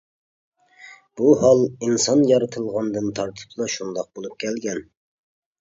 بۇ ھال ئىنسان يارىتىلغاندىن تارتىپلا شۇنداق بولۇپ كەلگەن.